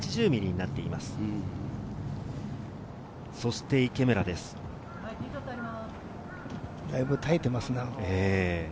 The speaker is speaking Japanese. だいぶ耐えていますね。